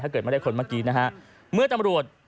ถ้าเกิดไม่ได้คนเมื่อตำรวจ